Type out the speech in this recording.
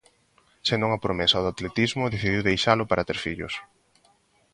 Sendo unha promesa do atletismo, decidiu deixalo para ter fillos.